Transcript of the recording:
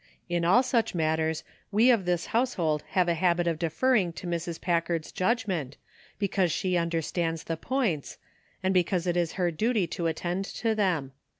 In all such matters we of this household have a habit of deferring to Mrs. Packard's judgment, because she understands the points,, and because it is her duty to attend to them.